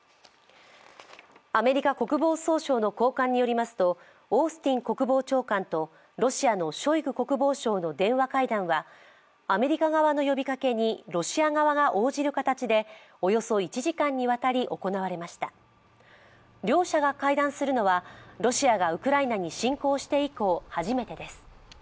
アメリカ国防総省の高官によりますとオースティン国防長官とロシアのショイグ国防相の電話会談はアメリカ側の呼びかけにロシア側が応じる形でおよそ１時間にわたり行われました両者が会談するのはロシアがウクライナに侵攻して以降初めてです。